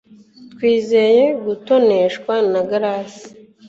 Twizeye gutoneshwa na grace